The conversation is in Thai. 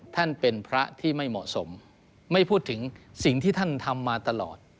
ท่านเป็นพระที่ไม่เหมาะสมไม่พูดถึงสิ่งที่ท่านทำมาตลอด